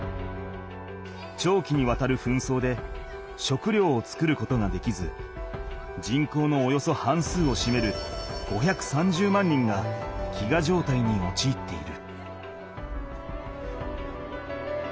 長期にわたる紛争で食料を作ることができず人口のおよそ半数をしめる５３０万人が飢餓状態におちいっている。